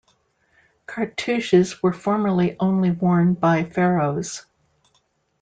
Cartouches were formerly only worn by Pharaohs.